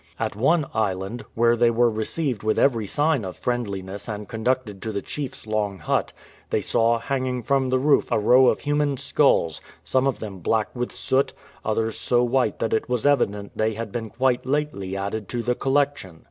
At one island, where they were received with every sign of friendliness and conducted to the chiefs long hut, they saw hanging from the roof a row of human skulls, some of them black with soot, others so white that it was evident they had been quite lately added to the collection.